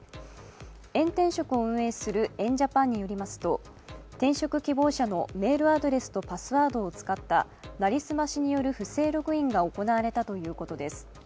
エン転職を運営するエン・ジャパンによりますと転職希望者のメールアドレスとパスワードを使った成り済ましによる不正ログインが行われたということです。